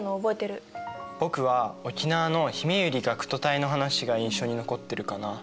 僕は沖縄のひめゆり学徒隊の話が印象に残ってるかな。